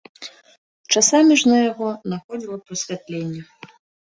Часамі ж на яго находзіла прасвятленне.